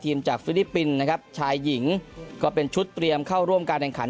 จากฟิลิปปินส์นะครับชายหญิงก็เป็นชุดเตรียมเข้าร่วมการแข่งขัน